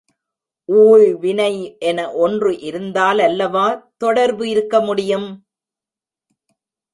ஊழ்வினை என ஒன்று இருந்தாலல்லவா தொடர்பு இருக்க முடியும்?